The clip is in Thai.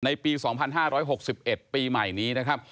ในปีสองพันห้าร้อยหกสิบเอ็ดปีใหม่นี้นะครับ